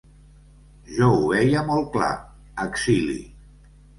Jo ho veia molt clar, exili.